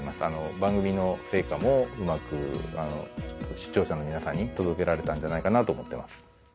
番組の成果もうまく視聴者の皆さんに届けられたんじゃないかなと思ってます。